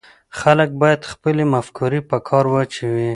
خلک باید خپلې مفکورې په کار واچوي